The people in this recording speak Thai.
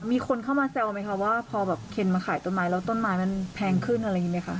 มีคนเข้ามาแซวไหมคะว่าพอแบบเคนมาขายต้นไม้แล้วต้นไม้มันแพงขึ้นอะไรอย่างนี้ไหมคะ